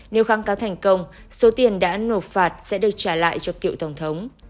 nếu kháng cáo thành công số tiền đã nộp phạt sẽ được trả lại cho cựu tổng thống